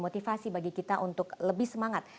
motivasi bagi kita untuk lebih semangat